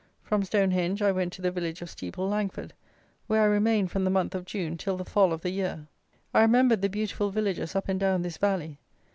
From Stone henge I went to the village of Steeple Langford, where I remained from the month of June till the fall of the year. I remembered the beautiful villages up and down this valley.